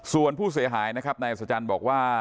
ส่วนผู้เสียหายนะครับนายอัศจรรย์บอกว่า